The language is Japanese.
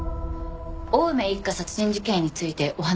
青梅一家殺人事件についてお話を。